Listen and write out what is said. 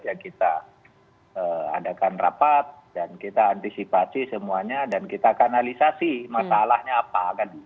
ya kita adakan rapat dan kita antisipasi semuanya dan kita kanalisasi masalahnya apa